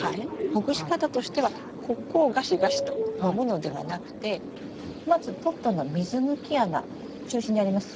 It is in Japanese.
ほぐし方としてはここをガシガシともむのではなくてまずポットの水抜き穴中心にありますよね？